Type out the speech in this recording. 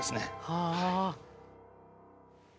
はあ。